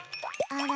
あら？